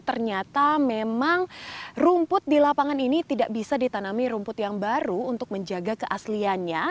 ternyata memang rumput di lapangan ini tidak bisa ditanami rumput yang baru untuk menjaga keasliannya